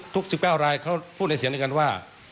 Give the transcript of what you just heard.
๑๙รายเขาพูดในเสียงเดียวกันว่า